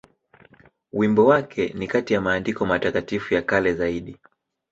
Wimbo wake ni kati ya maandiko matakatifu ya kale zaidi.